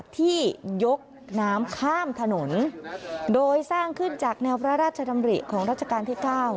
ที่ยกน้ำข้ามถนนโดยสร้างขึ้นจากแนวพระราชดำริของราชการที่๙